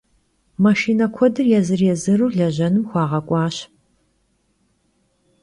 Maşşine kuedır yêzır - yêzıru lejenım xuağek'uaş.